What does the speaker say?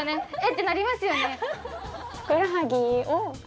てなりますよね。